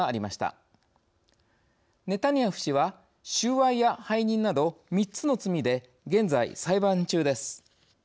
ネタニヤフ氏は収賄や背任など３つの罪で現在裁判中です。